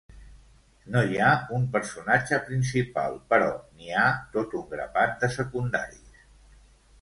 No hi ha un personatge principal, però n'hi ha tot un grapat de secundaris.